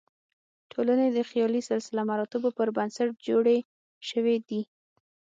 ټولنې د خیالي سلسله مراتبو پر بنسټ جوړې شوې دي.